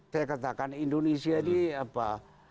saya katakan indonesia ini apa